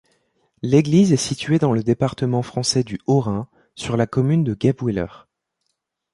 L'église est située dans le département français du Haut-Rhin, sur la commune de Guebwiller.